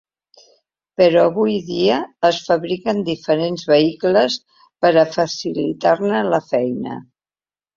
Però avui dia es fabriquen diferents vehicles per a facilitar-ne la feina.